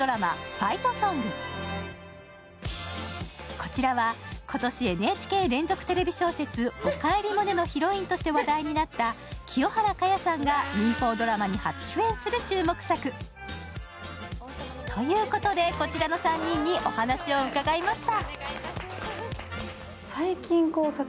こちらは今年、ＮＨＫ連続テレビ小説「おかえりモネ」のヒロインとして話題になった清原果耶さんが民放ドラマに初主演する注目作。ということで、こちらの３人にお話を伺いました。